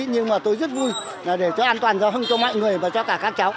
nhưng mà tôi rất vui là để cho an toàn giao thông cho mọi người và cho cả các cháu